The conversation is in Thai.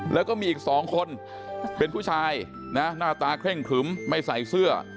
แล้วก็มีอีก๒คนเป็นผู้ชายนะหน้าตาเคร่งครึมไม่ใส่เสื้อ